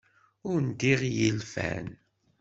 Undiɣ i yilfan.